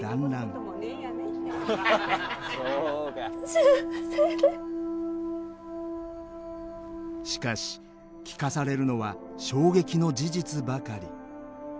しかし聞かされるのは衝撃の事実ばかり。